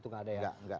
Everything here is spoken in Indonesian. gak ada ya